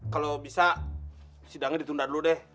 kalau bisa sidangnya ditunda dulu deh